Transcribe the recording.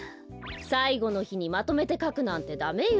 さいごのひにまとめてかくなんてダメよ。